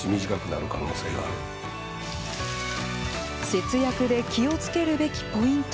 節約で気を付けるべきポイント。